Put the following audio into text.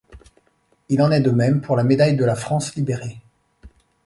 Il en est de même pour la médaille de la France libérée.